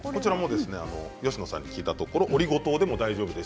吉野さんに聞いたところオリゴ糖でも大丈夫です。